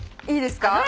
いいですか？